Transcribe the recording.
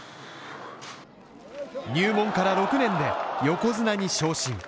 入門から６年で横綱に昇進。